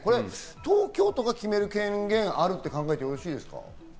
東京都が決める権限があると考えてよろしいですか？